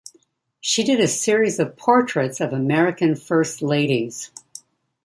She did a series of portraits of American First Ladies.